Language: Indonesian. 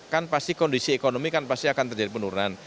kan pasti kondisi ekonomi akan terjadi penurunan